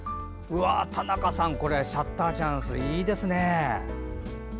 田中さん、シャッターチャンスいいですね！